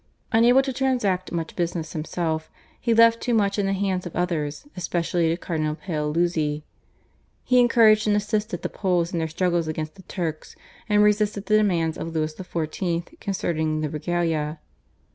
Unable to transact much business himself he left too much in the hands of others, especially to Cardinal Paoluzzi. He encouraged and assisted the Poles in their struggles against the Turks, and resisted the demands of Louis XIV. concerning the /Regalia